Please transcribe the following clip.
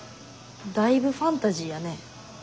だいぶファンタジーやね。